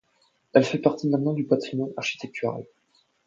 Elle fait partie maintenant du patrimoine architectural.